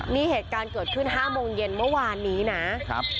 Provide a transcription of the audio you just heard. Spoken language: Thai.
นี่เหตุการณ์เกิดขึ้น๕โมงเย็นเมื่อวานนี้นะครับ